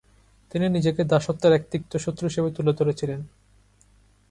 তিনি নিজেকে দাসত্বের এক তিক্ত শত্রু হিসেবে তুলে ধরেছিলেন।